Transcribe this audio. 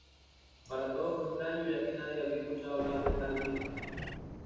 Para todos fue extraño, ya que nadie había escuchado hablar de tal Virgen.